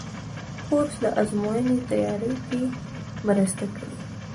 کورس د ازموینو تیاري کې مرسته کوي.